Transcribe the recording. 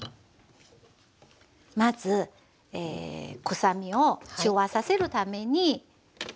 まず臭みを中和させるためにこしょう。